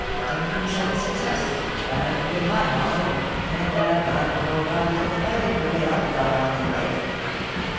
Temperance and success, that's been my motto, 8 POLICY AND PASSION, and IVe got no cause to complain of the way IVe got on in life.'